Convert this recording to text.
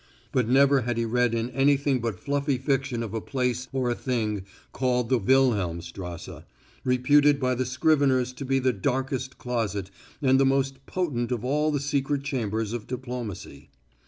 But never had he read in anything but fluffy fiction of a place or a thing called the Wilhelmstrasse, reputed by the scriveners to be the darkest closet and the most potent of all the secret chambers of diplomacy.